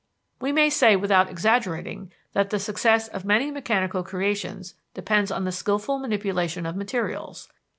We may say without exaggerating that the success of many mechanical creations depends on the skillful manipulation of materials.